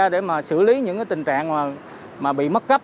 để mà xử lý những tình trạng mà bị mất cấp